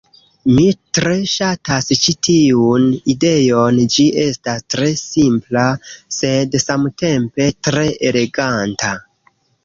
Mi tre ŝatas ĉi tiun ideon ĝi estas tre simpla... sed samtempe tre eleganta.